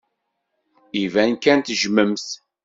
Iban kan tejjmem-t.